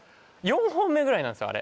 ４本目ぐらいなんですよ